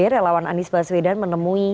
relawan anis baswedan